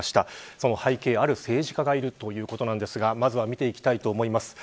その背景にある政治家がいるということなんですがまずは見ていきたいと思います。